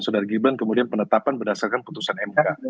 saudara gibran kemudian penetapan berdasarkan putusan mk